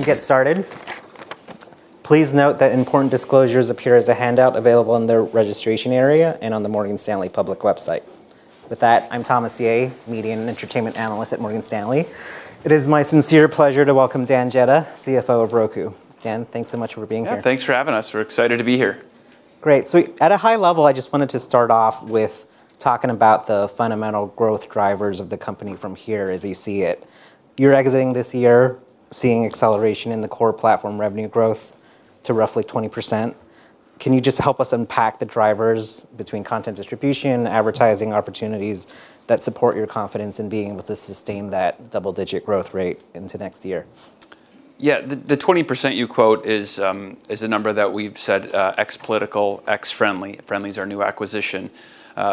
We can get started. Please note that important disclosures appear as a handout available in the registration area and on the Morgan Stanley public website. With that, I'm Thomas Yeh, Media and Entertainment Analyst at Morgan Stanley. It is my sincere pleasure to welcome Dan Jedda, CFO of Roku. Dan, thanks so much for being here. Thanks for having us. We're excited to be here. Great. So at a high level, I just wanted to start off with talking about the fundamental growth drivers of the company from here as you see it. You're exiting this year, seeing acceleration in the core platform revenue growth to roughly 20%. Can you just help us unpack the drivers between content distribution, advertising opportunities that support your confidence in being able to sustain that double-digit growth rate into next year? Yeah, the 20% you quote is a number that we've said ex-political, ex-Frndly. Frndly is our new acquisition.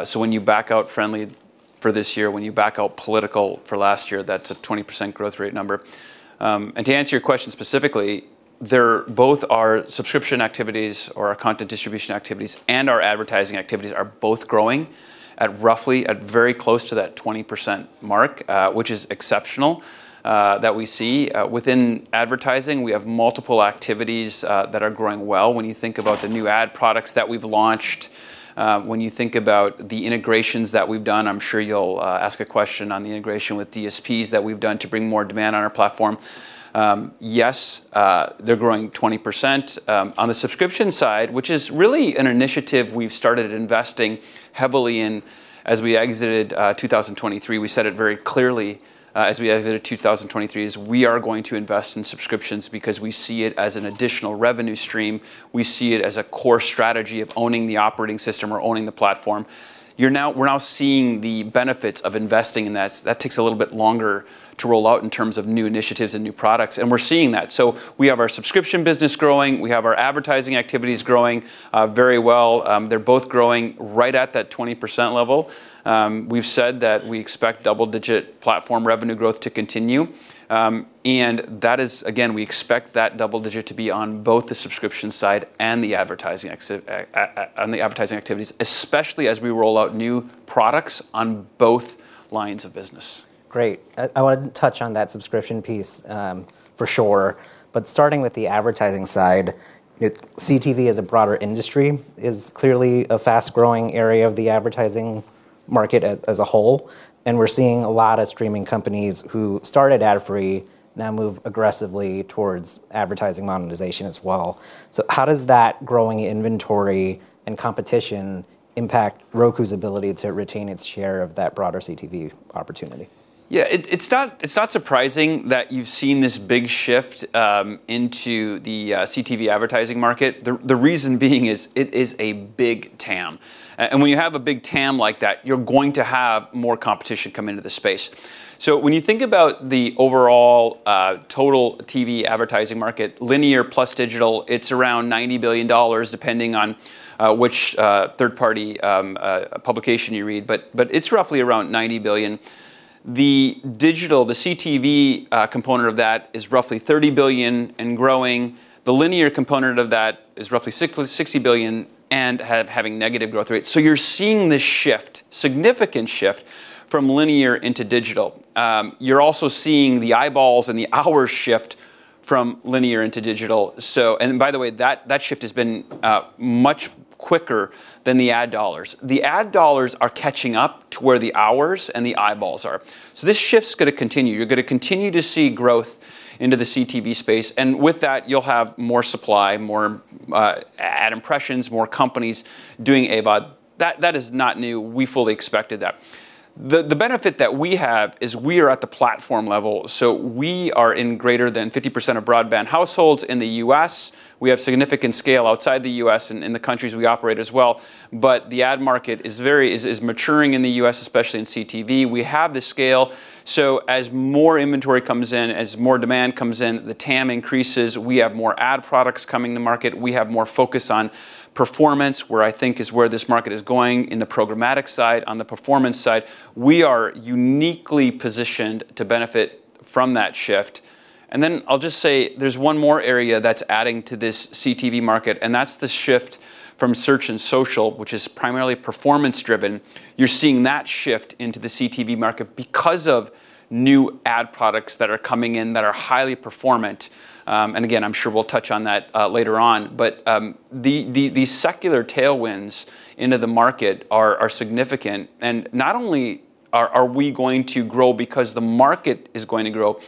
So when you back out Frndly for this year, when you back out political for last year, that's a 20% growth rate number, and to answer your question specifically, both our subscription activities, or our content distribution activities, and our advertising activities are both growing at roughly very close to that 20% mark, which is exceptional that we see. Within advertising, we have multiple activities that are growing well. When you think about the new ad products that we've launched, when you think about the integrations that we've done, I'm sure you'll ask a question on the integration with DSPs that we've done to bring more demand on our platform. Yes, they're growing 20%. On the subscription side, which is really an initiative we've started investing heavily in as we exited 2023, we said it very clearly as we exited 2023, is we are going to invest in subscriptions because we see it as an additional revenue stream. We see it as a core strategy of owning the operating system or owning the platform. We're now seeing the benefits of investing in that. That takes a little bit longer to roll out in terms of new initiatives and new products, and we're seeing that, so we have our subscription business growing. We have our advertising activities growing very well. They're both growing right at that 20% level. We've said that we expect double-digit platform revenue growth to continue. That is, again, we expect that double digit to be on both the subscription side and the advertising activities, especially as we roll out new products on both lines of business. Great. I want to touch on that subscription piece for sure, but starting with the advertising side, CTV as a broader industry is clearly a fast-growing area of the advertising market as a whole, and we're seeing a lot of streaming companies who started ad-free now move aggressively towards advertising monetization as well, so how does that growing inventory and competition impact Roku's ability to retain its share of that broader CTV opportunity? Yeah, it's not surprising that you've seen this big shift into the CTV advertising market. The reason being is it is a big TAM, and when you have a big TAM like that, you're going to have more competition come into the space, so when you think about the overall total TV advertising market, linear plus digital, it's around $90 billion, depending on which third-party publication you read, but it's roughly around $90 billion. The digital, the CTV component of that is roughly $30 billion and growing. The linear component of that is roughly $60 billion and having negative growth rate, so you're seeing this shift, significant shift from linear into digital. You're also seeing the eyeballs and the hours shift from linear into digital, and by the way, that shift has been much quicker than the ad dollars. The ad dollars are catching up to where the hours and the eyeballs are. So this shift's going to continue. You're going to continue to see growth into the CTV space. And with that, you'll have more supply, more ad impressions, more companies doing AVOD. That is not new. We fully expected that. The benefit that we have is we are at the platform level. So we are in greater than 50% of broadband households in the U.S. We have significant scale outside the U.S. and in the countries we operate as well. But the ad market is maturing in the U.S., especially in CTV. We have the scale. So as more inventory comes in, as more demand comes in, the TAM increases. We have more ad products coming to market. We have more focus on performance, where I think is where this market is going in the programmatic side. On the performance side, we are uniquely positioned to benefit from that shift, and then I'll just say there's one more area that's adding to this CTV market, and that's the shift from search and social, which is primarily performance-driven. You're seeing that shift into the CTV market because of new ad products that are coming in that are highly performant, and again, I'm sure we'll touch on that later on, but these secular tailwinds into the market are significant, and not only are we going to grow because the market is going to grow,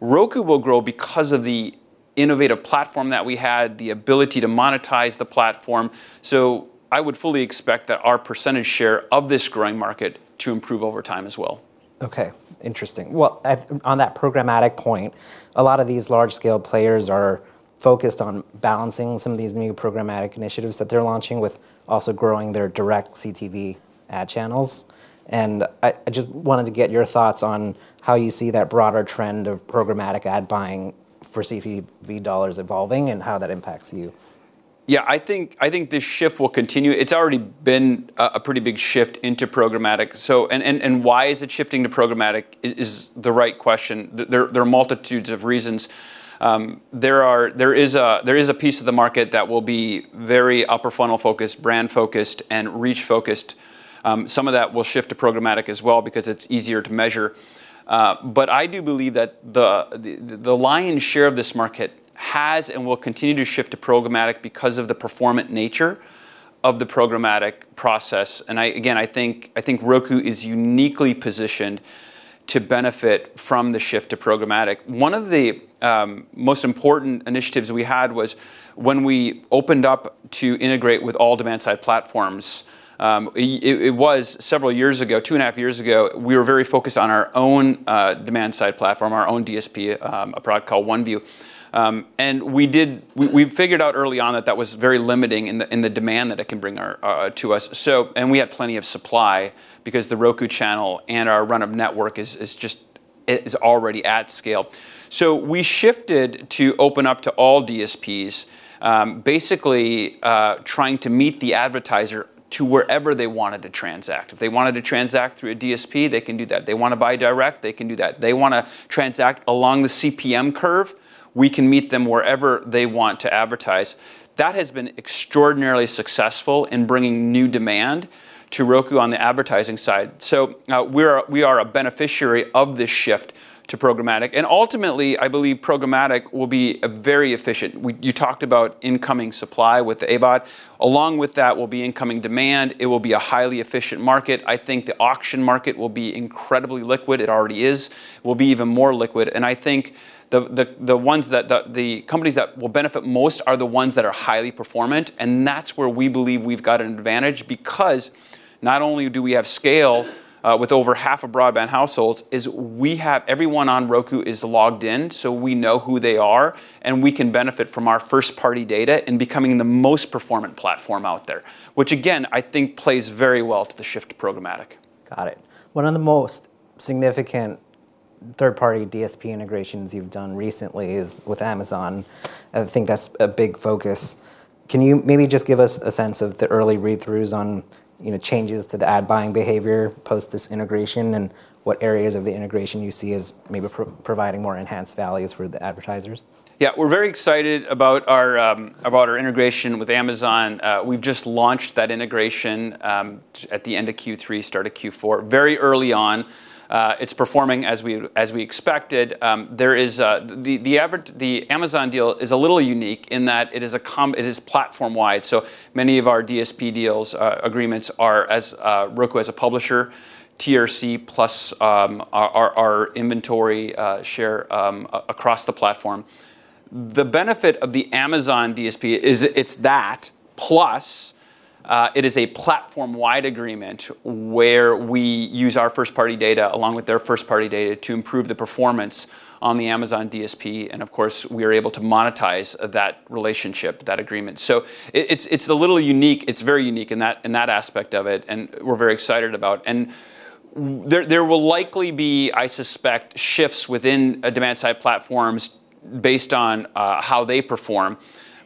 Roku will grow because of the innovative platform that we had, the ability to monetize the platform, so I would fully expect that our percentage share of this growing market to improve over time as well. Okay, interesting. Well, on that programmatic point, a lot of these large-scale players are focused on balancing some of these new programmatic initiatives that they're launching with also growing their direct CTV ad channels. And I just wanted to get your thoughts on how you see that broader trend of programmatic ad buying for CTV dollars evolving and how that impacts you? Yeah, I think this shift will continue. It's already been a pretty big shift into programmatic. And why is it shifting to programmatic is the right question. There are multitudes of reasons. There is a piece of the market that will be very upper-funnel focused, brand-focused, and reach-focused. Some of that will shift to programmatic as well because it's easier to measure. But I do believe that the lion's share of this market has and will continue to shift to programmatic because of the performant nature of the programmatic process. And again, I think Roku is uniquely positioned to benefit from the shift to programmatic. One of the most important initiatives we had was when we opened up to integrate with all demand-side platforms. It was several years ago, two and a half years ago, we were very focused on our own demand-side platform, our own DSP, a product called OneView, and we figured out early on that that was very limiting in the demand that it can bring to us, and we had plenty of supply because the Roku channel and our run-of-network is already at scale, so we shifted to open up to all DSPs, basically trying to meet the advertiser to wherever they wanted to transact. If they wanted to transact through a DSP, they can do that. If they want to buy direct, they can do that. If they want to transact along the CPM curve, we can meet them wherever they want to advertise. That has been extraordinarily successful in bringing new demand to Roku on the advertising side, so we are a beneficiary of this shift to programmatic. And ultimately, I believe programmatic will be very efficient. You talked about incoming supply with AVOD. Along with that will be incoming demand. It will be a highly efficient market. I think the auction market will be incredibly liquid. It already is. It will be even more liquid. And I think the companies that will benefit most are the ones that are highly performant. And that's where we believe we've got an advantage because not only do we have scale with over half of broadband households, everyone on Roku is logged in. So we know who they are. And we can benefit from our first-party data in becoming the most performant platform out there, which again, I think plays very well to the shift to programmatic. Got it. One of the most significant third-party DSP integrations you've done recently is with Amazon. I think that's a big focus. Can you maybe just give us a sense of the early read-throughs on changes to the ad buying behavior post this integration and what areas of the integration you see as maybe providing more enhanced values for the advertisers? Yeah, we're very excited about our integration with Amazon. We've just launched that integration at the end of Q3, start of Q4. Very early on, it's performing as we expected. The Amazon deal is a little unique in that it is platform-wide, so many of our DSP deals, agreements are with Roku as a publisher, TRC plus our inventory share across the platform. The benefit of the Amazon DSP is it's that, plus it is a platform-wide agreement where we use our first-party data along with their first-party data to improve the performance on the Amazon DSP, and of course, we are able to monetize that relationship, that agreement, so it's a little unique. It's very unique in that aspect of it, and we're very excited about it. And there will likely be, I suspect, shifts within demand-side platforms based on how they perform.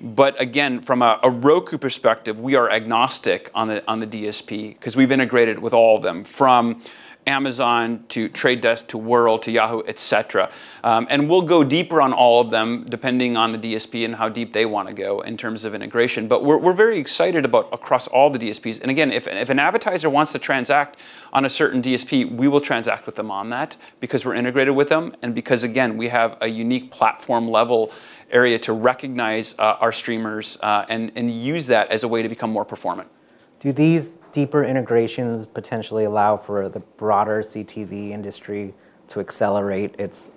But again, from a Roku perspective, we are agnostic on the DSP because we've integrated with all of them from Amazon to Trade Desk to World to Yahoo, et cetera. And we'll go deeper on all of them depending on the DSP and how deep they want to go in terms of integration. But we're very excited about across all the DSPs. And again, if an advertiser wants to transact on a certain DSP, we will transact with them on that because we're integrated with them and because, again, we have a unique platform-level area to recognize our streamers and use that as a way to become more performant. Do these deeper integrations potentially allow for the broader CTV industry to accelerate its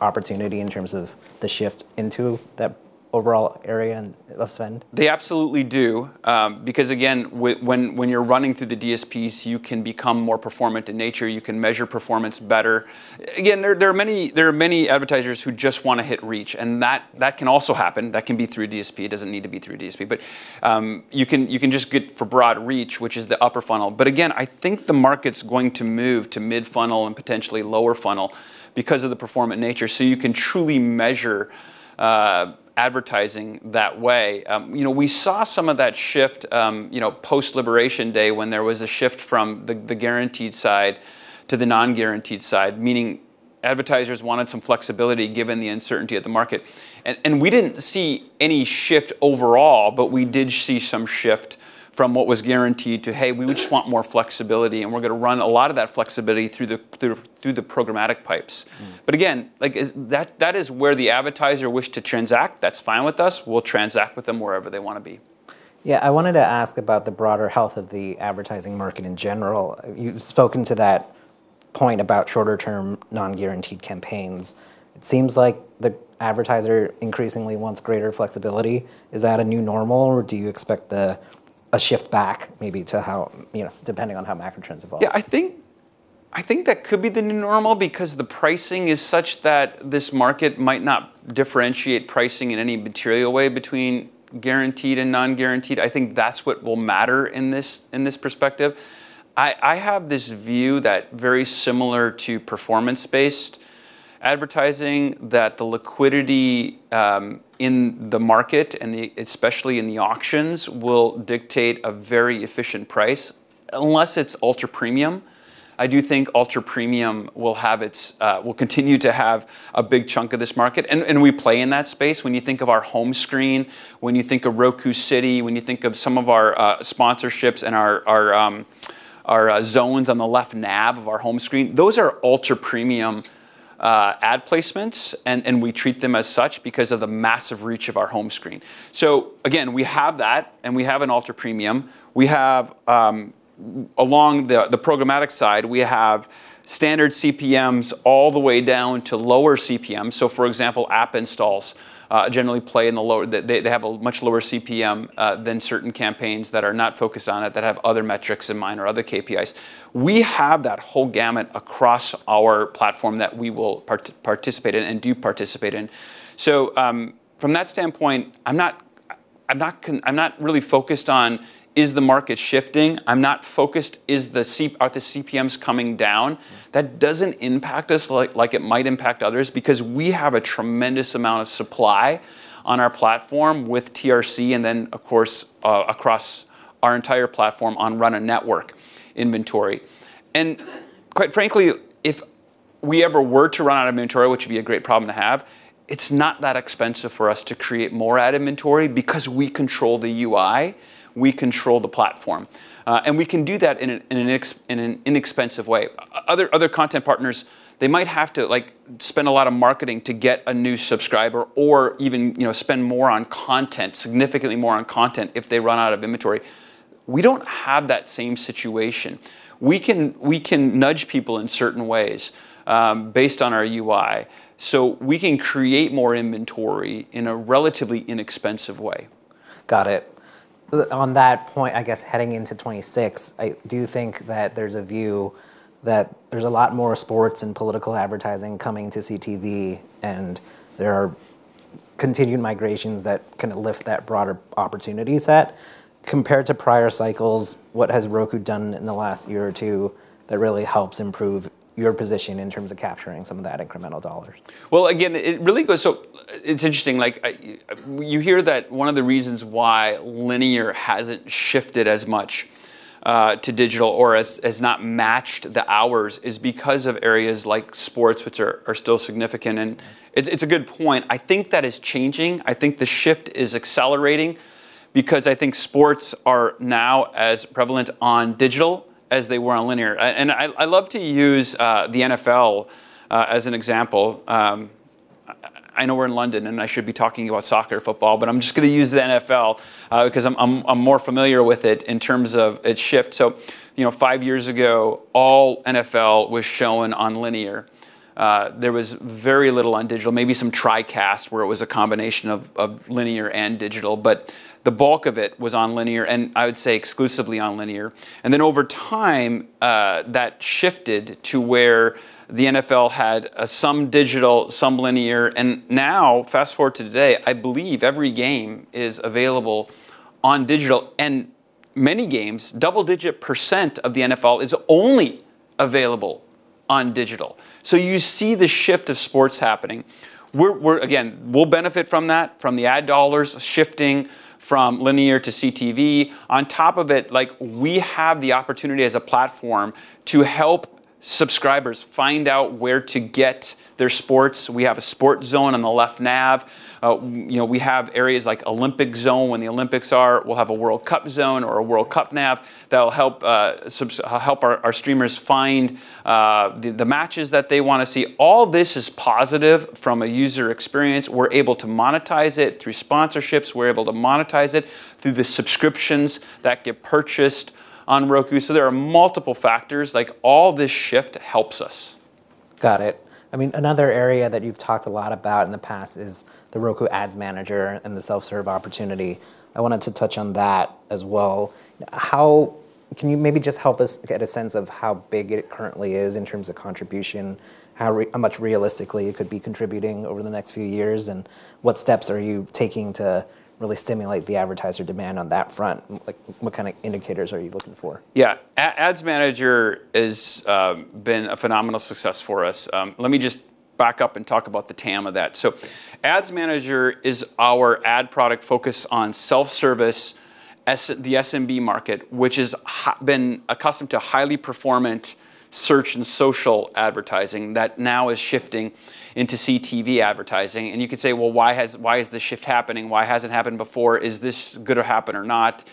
opportunity in terms of the shift into that overall area of spend? They absolutely do. Because again, when you're running through the DSPs, you can become more performant in nature. You can measure performance better. Again, there are many advertisers who just want to hit reach. And that can also happen. That can be through DSP. It doesn't need to be through DSP. But you can just get for broad reach, which is the upper funnel. But again, I think the market's going to move to mid-funnel and potentially lower funnel because of the performant nature. So you can truly measure advertising that way. We saw some of that shift post-Liberation Day when there was a shift from the guaranteed side to the non-guaranteed side, meaning advertisers wanted some flexibility given the uncertainty of the market. And we didn't see any shift overall, but we did see some shift from what was guaranteed to, hey, we just want more flexibility. And we're going to run a lot of that flexibility through the programmatic pipes. But again, that is where the advertiser wished to transact. That's fine with us. We'll transact with them wherever they want to be. Yeah, I wanted to ask about the broader health of the advertising market in general. You've spoken to that point about shorter-term non-guaranteed campaigns. It seems like the advertiser increasingly wants greater flexibility. Is that a new normal? Or do you expect a shift back maybe to how, depending on how macro trends evolve? Yeah, I think that could be the new normal because the pricing is such that this market might not differentiate pricing in any material way between guaranteed and non-guaranteed. I think that's what will matter in this perspective. I have this view that, very similar to performance-based advertising, the liquidity in the market, and especially in the auctions, will dictate a very efficient price unless it's ultra premium. I do think ultra premium will continue to have a big chunk of this market. And we play in that space. When you think of our home screen, when you think of Roku City, when you think of some of our sponsorships and our zones on the left nav of our home screen, those are ultra premium ad placements. And we treat them as such because of the massive reach of our home screen. So again, we have that. And we have an ultra-premium. Along the programmatic side, we have standard CPMs all the way down to lower CPMs. So for example, app installs generally play in the lower. They have a much lower CPM than certain campaigns that are not focused on it, that have other metrics in mind or other KPIs. We have that whole gamut across our platform that we will participate in and do participate in. So from that standpoint, I'm not really focused on is the market shifting. I'm not focused on are the CPMs coming down. That doesn't impact us like it might impact others because we have a tremendous amount of supply on our platform with TRC and then, of course, across our entire platform on run-of-network inventory. And quite frankly, if we ever were to run out of inventory, which would be a great problem to have, it's not that expensive for us to create more ad inventory because we control the UI. We control the platform. And we can do that in an inexpensive way. Other content partners, they might have to spend a lot of marketing to get a new subscriber or even spend more on content, significantly more on content if they run out of inventory. We don't have that same situation. We can nudge people in certain ways based on our UI. So we can create more inventory in a relatively inexpensive way. Got it. On that point, I guess heading into 2026, I do think that there's a view that there's a lot more sports and political advertising coming to CTV. And there are continued migrations that can lift that broader opportunity set. Compared to prior cycles, what has Roku done in the last year or two that really helps improve your position in terms of capturing some of that incremental dollars? Well, again, it really goes, so it's interesting. You hear that one of the reasons why linear hasn't shifted as much to digital or has not matched the hours is because of areas like sports, which are still significant, and it's a good point. I think that is changing. I think the shift is accelerating because I think sports are now as prevalent on digital as they were on linear, and I love to use the NFL as an example. I know we're in London, and I should be talking about soccer or football, but I'm just going to use the NFL because I'm more familiar with it in terms of its shift, so five years ago, all NFL was shown on linear. There was very little on digital, maybe some simulcasts where it was a combination of linear and digital. But the bulk of it was on linear and I would say exclusively on linear. And then over time, that shifted to where the NFL had some digital, some linear. And now, fast forward to today, I believe every game is available on digital. And many games, double-digit% of the NFL is only available on digital. So you see the shift of sports happening. Again, we'll benefit from that, from the ad dollars shifting from linear to CTV. On top of it, we have the opportunity as a platform to help subscribers find out where to get their sports. We have a sports zone on the left nav. We have areas like Olympic Zone when the Olympics are. We'll have a World Cup Zone or a World Cup nav that'll help our streamers find the matches that they want to see. All this is positive from a user experience. We're able to monetize it through sponsorships. We're able to monetize it through the subscriptions that get purchased on Roku. So there are multiple factors. All this shift helps us. Got it. I mean, another area that you've talked a lot about in the past is the Roku Ads Manager and the self-serve opportunity. I wanted to touch on that as well. Can you maybe just help us get a sense of how big it currently is in terms of contribution, how much realistically it could be contributing over the next few years, and what steps are you taking to really stimulate the advertiser demand on that front? What kind of indicators are you looking for? Yeah, Ads Manager has been a phenomenal success for us. Let me just back up and talk about the TAM of that. So Ads Manager is our ad product focused on self-service, the SMB market, which has been accustomed to highly performant search and social advertising that now is shifting into CTV advertising. And you could say, well, why is this shift happening? Why hasn't it happened before? Is this going to happen or not?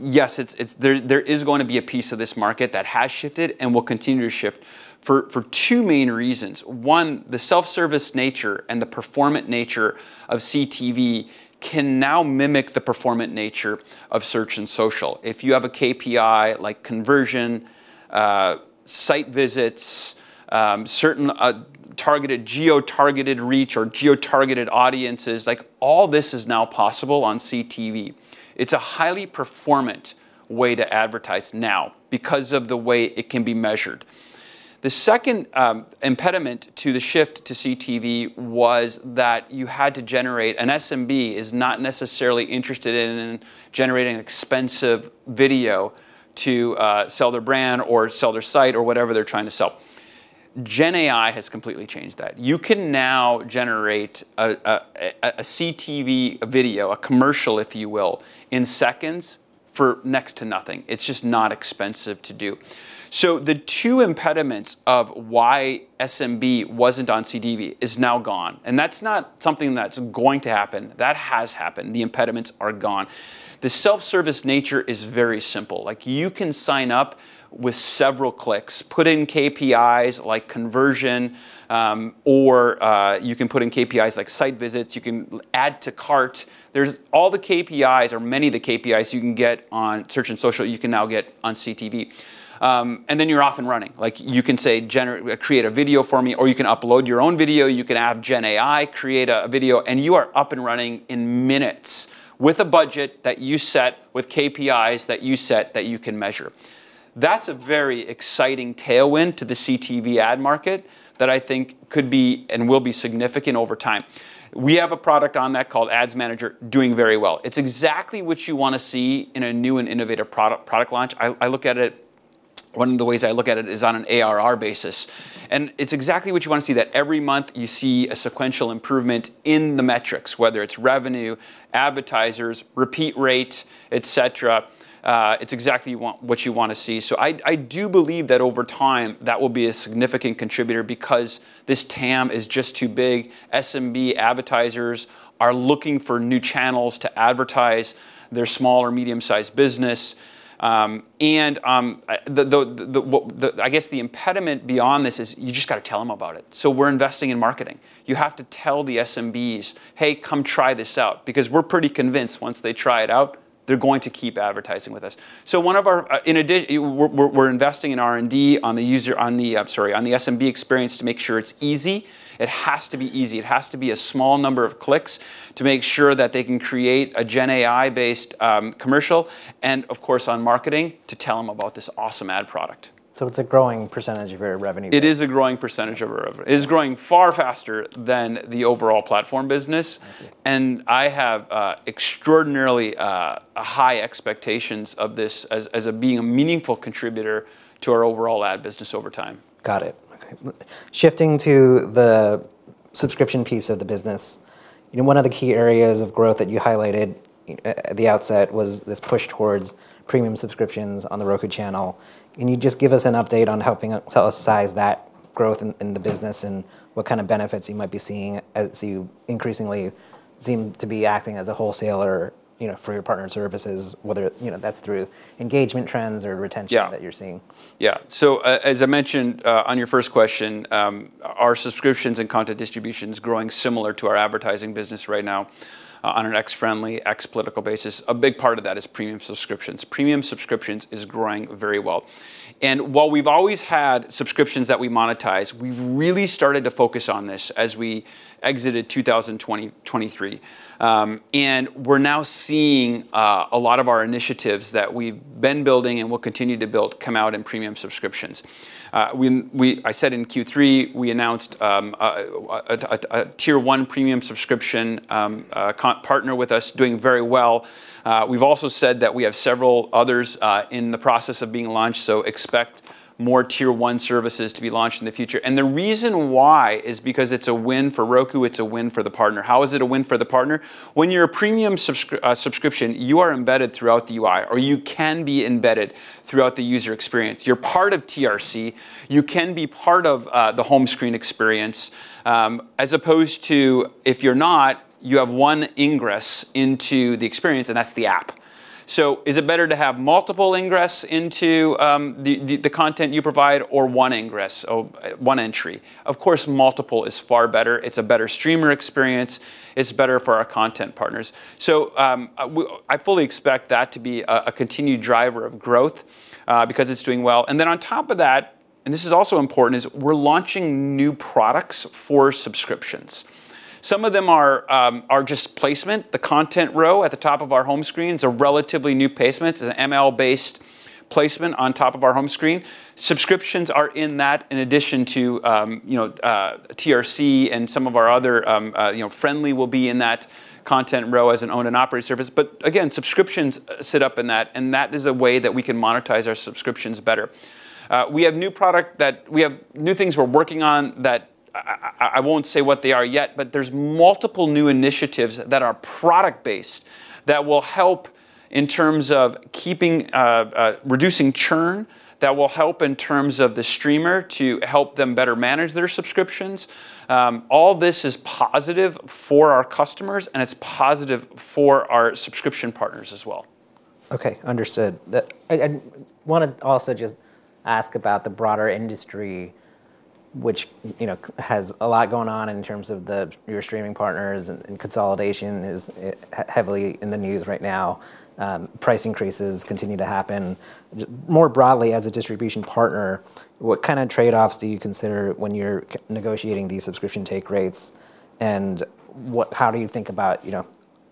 Yes, there is going to be a piece of this market that has shifted and will continue to shift for two main reasons. One, the self-service nature and the performant nature of CTV can now mimic the performant nature of search and social. If you have a KPI like conversion, site visits, certain targeted geo-targeted reach or geo-targeted audiences, all this is now possible on CTV. It's a highly performant way to advertise now because of the way it can be measured. The second impediment to the shift to CTV was that you had to generate. An SMB is not necessarily interested in generating an expensive video to sell their brand or sell their site or whatever they're trying to sell. Gen AI has completely changed that. You can now generate a CTV video, a commercial, if you will, in seconds for next to nothing. It's just not expensive to do. So the two impediments of why SMB wasn't on CTV is now gone. And that's not something that's going to happen. That has happened. The impediments are gone. The self-service nature is very simple. You can sign up with several clicks, put in KPIs like conversion, or you can put in KPIs like site visits. You can add to cart. All the KPIs or many of the KPIs you can get on search and social, you can now get on CTV, and then you're off and running. You can say, create a video for me, or you can upload your own video. You can have Gen AI create a video, and you are up and running in minutes with a budget that you set, with KPIs that you set that you can measure. That's a very exciting tailwind to the CTV ad market that I think could be and will be significant over time. We have a product on that called Roku Ads Manager doing very well. It's exactly what you want to see in a new and innovative product launch. I look at it one of the ways I look at it is on an ARR basis. And it's exactly what you want to see that every month you see a sequential improvement in the metrics, whether it's revenue, advertisers, repeat rate, et cetera. It's exactly what you want to see. So I do believe that over time, that will be a significant contributor because this TAM is just too big. SMB advertisers are looking for new channels to advertise their small or medium-sized business. And I guess the impediment beyond this is you just got to tell them about it. So we're investing in marketing. You have to tell the SMBs, hey, come try this out. Because we're pretty convinced once they try it out, they're going to keep advertising with us. So one of our, we're investing in R&D on the SMB experience to make sure it's easy. It has to be easy. It has to be a small number of clicks to make sure that they can create a Gen AI-based commercial. And of course, on marketing to tell them about this awesome ad product. So it's a growing percentage of your revenue. It is a growing percentage of our revenue. It is growing far faster than the overall platform business. And I have extraordinarily high expectations of this as being a meaningful contributor to our overall ad business over time. Got it. Shifting to the subscription piece of the business, one of the key areas of growth that you highlighted at the outset was this push towards premium subscriptions on the Roku channel. Can you just give us an update on helping tell us size that growth in the business and what kind of benefits you might be seeing as you increasingly seem to be acting as a wholesaler for your partner services, whether that's through engagement trends or retention that you're seeing? Yeah. So as I mentioned on your first question, our subscriptions and content distribution is growing similar to our advertising business right now on an ex-Frndly, ex-political basis. A big part of that is premium subscriptions. Premium subscriptions is growing very well. And while we've always had subscriptions that we monetize, we've really started to focus on this as we exited 2023. And we're now seeing a lot of our initiatives that we've been building and will continue to build come out in premium subscriptions. I said in Q3, we announced a tier one premium subscription partner with us doing very well. We've also said that we have several others in the process of being launched. So expect more tier one services to be launched in the future. And the reason why is because it's a win for Roku. It's a win for the partner. How is it a win for the partner? When you're a premium subscription, you are embedded throughout the UI, or you can be embedded throughout the user experience. You're part of TRC. You can be part of the home screen experience. As opposed to if you're not, you have one ingress into the experience, and that's the app. So is it better to have multiple ingress into the content you provide or one ingress, one entry? Of course, multiple is far better. It's a better streamer experience. It's better for our content partners. So I fully expect that to be a continued driver of growth because it's doing well. And then on top of that, and this is also important, is we're launching new products for subscriptions. Some of them are just placement. The content row at the top of our home screen is a relatively new placement. It's an ML-based placement on top of our home screen. Subscriptions are in that, in addition to TRC, and some of our other Frndly will be in that content row as an owned and operated service, but again, subscriptions sit up in that, and that is a way that we can monetize our subscriptions better. We have new product that we have new things we're working on that I won't say what they are yet, but there's multiple new initiatives that are product-based that will help in terms of reducing churn that will help in terms of the streamer to help them better manage their subscriptions. All this is positive for our customers, and it's positive for our subscription partners as well. OK, understood. I want to also just ask about the broader industry, which has a lot going on in terms of your streaming partners, and consolidation is heavily in the news right now. Price increases continue to happen. More broadly, as a distribution partner, what kind of trade-offs do you consider when you're negotiating these subscription take rates, and how do you think about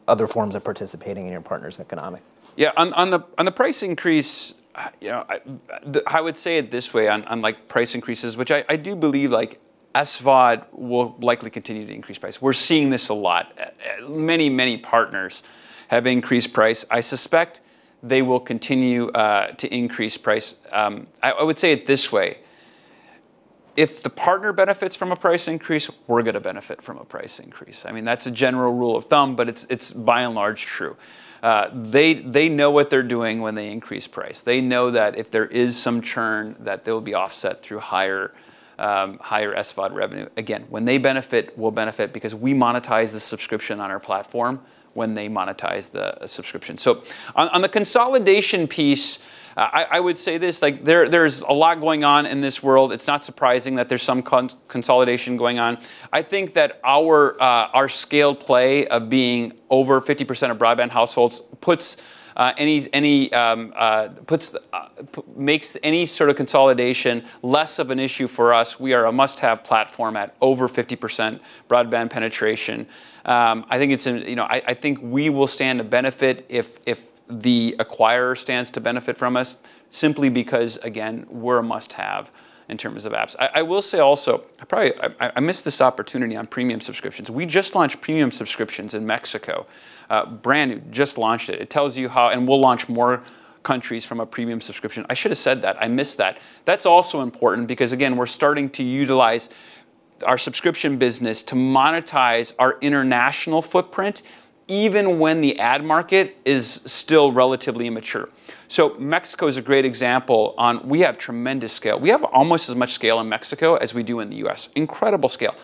other forms of participating in your partner's economics? Yeah, on the price increase, I would say it this way on price increases, which I do believe as VOD will likely continue to increase price. We're seeing this a lot. Many, many partners have increased price. I suspect they will continue to increase price. I would say it this way. If the partner benefits from a price increase, we're going to benefit from a price increase. I mean, that's a general rule of thumb, but it's by and large true. They know what they're doing when they increase price. They know that if there is some churn, that there will be offset through higher SVOD revenue. Again, when they benefit, we'll benefit because we monetize the subscription on our platform when they monetize the subscription. So on the consolidation piece, I would say this. There's a lot going on in this world. It's not surprising that there's some consolidation going on. I think that our scale play of being over 50% of broadband households makes any sort of consolidation less of an issue for us. We are a must-have platform at over 50% broadband penetration. I think we will stand to benefit if the acquirer stands to benefit from us simply because, again, we're a must-have in terms of apps. I will say also, I missed this opportunity on premium subscriptions. We just launched premium subscriptions in Mexico. Brand new, just launched it. It tells you how, and we'll launch more countries from a premium subscription. I should have said that. I missed that. That's also important because, again, we're starting to utilize our subscription business to monetize our international footprint even when the ad market is still relatively immature, so Mexico is a great example on we have tremendous scale. We have almost as much scale in Mexico as we do in the U.S. Incredible scale.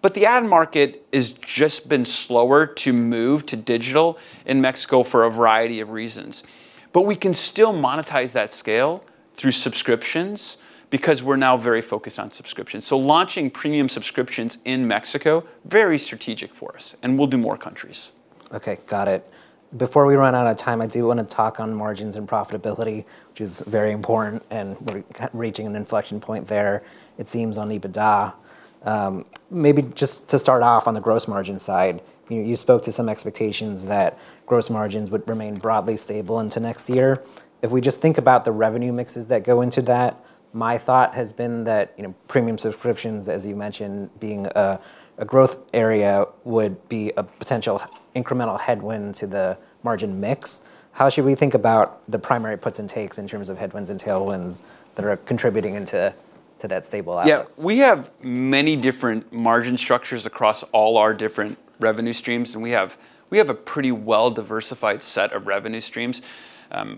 But the ad market has just been slower to move to digital in Mexico for a variety of reasons. But we can still monetize that scale through subscriptions because we're now very focused on subscriptions. So launching premium subscriptions in Mexico, very strategic for us. And we'll do more countries. OK, got it. Before we run out of time, I do want to talk on margins and profitability, which is very important. And we're reaching an inflection point there, it seems, on EBITDA. Maybe just to start off on the gross margin side, you spoke to some expectations that gross margins would remain broadly stable into next year. If we just think about the revenue mixes that go into that, my thought has been that premium subscriptions, as you mentioned, being a growth area, would be a potential incremental headwind to the margin mix. How should we think about the primary puts and takes in terms of headwinds and tailwinds that are contributing into that stable gap? Yeah, we have many different margin structures across all our different revenue streams. And we have a pretty well-diversified set of revenue streams.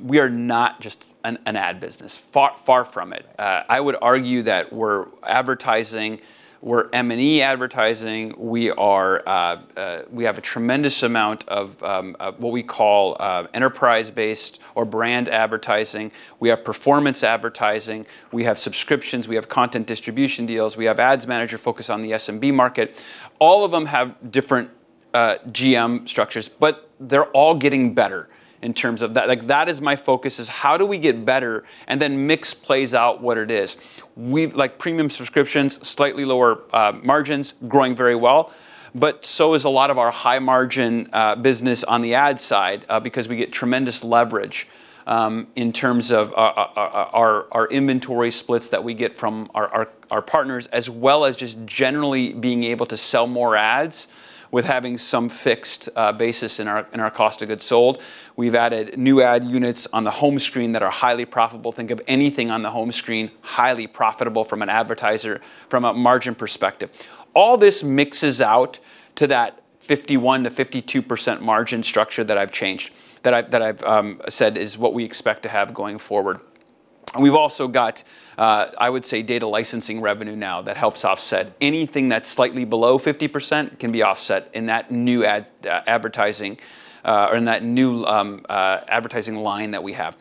We are not just an ad business, far from it. I would argue that we're advertising. We're M&E advertising. We have a tremendous amount of what we call enterprise-based or brand advertising. We have performance advertising. We have subscriptions. We have content distribution deals. We have ads manager focus on the SMB market. All of them have different GM structures. But they're all getting better in terms of that. That is my focus, is how do we get better? And then mix plays out what it is. Premium subscriptions, slightly lower margins, growing very well. But so is a lot of our high-margin business on the ad side because we get tremendous leverage in terms of our inventory splits that we get from our partners, as well as just generally being able to sell more ads with having some fixed basis in our cost of goods sold. We've added new ad units on the home screen that are highly profitable. Think of anything on the home screen highly profitable from an advertiser from a margin perspective. All this mixes out to that 51%-52% margin structure that I've changed, that I've said is what we expect to have going forward. We've also got, I would say, data licensing revenue now that helps offset. Anything that's slightly below 50% can be offset in that new advertising or in that new advertising line that we have.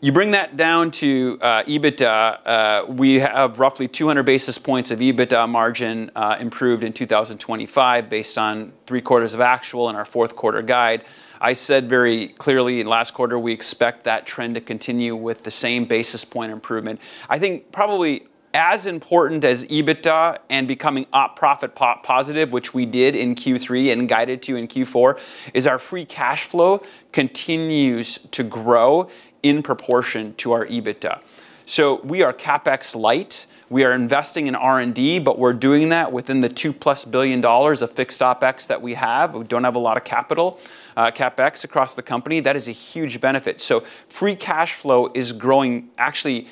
You bring that down to EBITDA. We have roughly 200 basis points of EBITDA margin improved in 2025 based on three quarters of actual and our fourth quarter guide. I said very clearly in last quarter, we expect that trend to continue with the same basis point improvement. I think probably as important as EBITDA and becoming profit positive, which we did in Q3 and guided to in Q4, is our free cash flow continues to grow in proportion to our EBITDA. So we are CapEx light. We are investing in R&D, but we're doing that within the $2+ billion of fixed OpEx that we have. We don't have a lot of capital CapEx across the company. That is a huge benefit. So free cash flow is growing. Actually,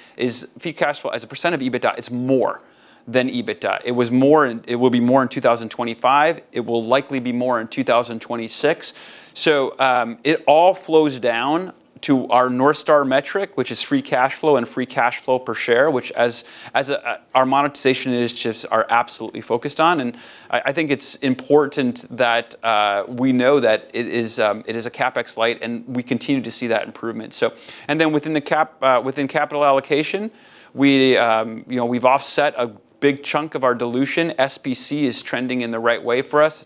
free cash flow as a % of EBITDA, it's more than EBITDA. It was more and it will be more in 2025. It will likely be more in 2026, so it all flows down to our North Star metric, which is free cash flow and free cash flow per share, which our monetization initiatives are absolutely focused on, and I think it's important that we know that it is a CapEx light, and we continue to see that improvement, and then within capital allocation, we've offset a big chunk of our dilution. SPC is trending in the right way for us.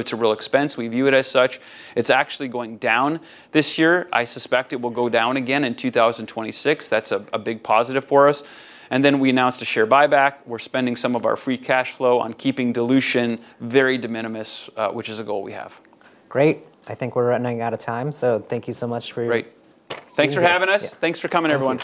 It's a real expense. We view it as such. It's actually going down this year. I suspect it will go down again in 2026. That's a big positive for us, and then we announced a share buyback. We're spending some of our free cash flow on keeping dilution very de minimis, which is a goal we have. Great. I think we're running out of time. So thank you so much for. Great. Thanks for having us. Thanks for coming, everyone.